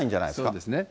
そうですね。